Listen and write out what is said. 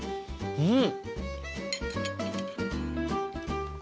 うん。